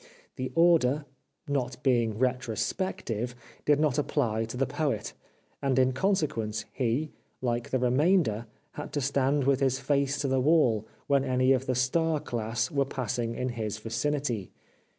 The order, not being retrospective, did not apply to the Poet, and in consequence he, like the re mainder, had to stand with his face to the wall when any of the " star class " were passing in his vicinity.